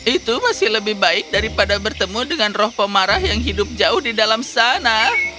itu masih lebih baik daripada bertemu dengan roh pemarah yang hidup jauh di dalam sana